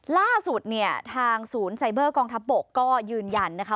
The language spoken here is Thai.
ล่าสุดเนี่ยทางศูนย์ไซเบอร์กองทัพบกก็ยืนยันนะคะ